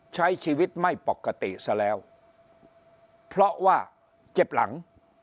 ใช้ชีวิตไม่ปกติซะแล้วเพราะว่าเจ็บหลัง